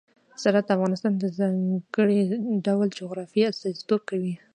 زراعت د افغانستان د ځانګړي ډول جغرافیه استازیتوب کوي.